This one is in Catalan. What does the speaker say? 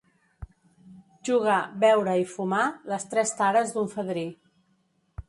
Jugar, beure i fumar, les tres tares d'un fadrí.